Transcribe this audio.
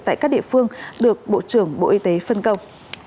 tại các địa phương được bộ trưởng bộ y tế phân công